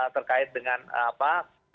terkait dengan apa